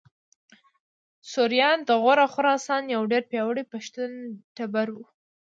سوریان د غور او خراسان یو ډېر پیاوړی پښتون ټبر و